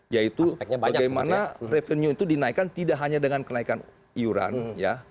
yaitu bagaimana revenue itu dinaikkan tidak hanya dengan kenaikan iuran ya